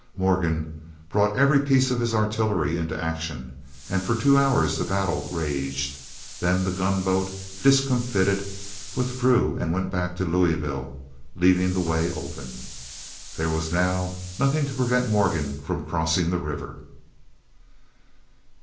Morgan brought every piece of his artillery into action, and for two hours the battle raged. Then the gunboat, discomfited, withdrew and went back to Louisville, leaving the way open. There was now nothing to prevent Morgan from crossing the river.